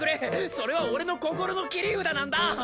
それは俺の心の切り札なんだ！